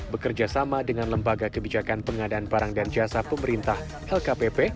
bekerja sama dengan lembaga kebijakan pengadaan barang dan jasa pemerintah lkpp